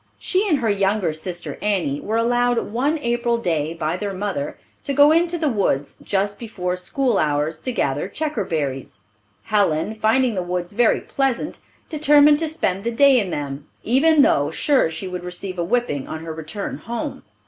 She and her younger sister Annie were allowed one April day, by their mother, to go into the woods just before school hours, to gather checkerberries. Helen, finding the woods very pleasant, determined to spend the day in them, even though sure she would receive a whipping on her return home.